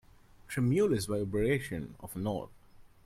Tremulous vibration of a note.